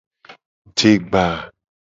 Jegba.